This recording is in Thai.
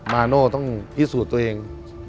มาโน่ต้องพิสูจน์ตัวเอง